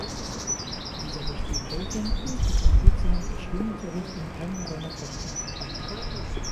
Dieser möchte ihm helfen und gibt ihm kurzerhand Schwimmunterricht in einem seiner Kochtöpfe.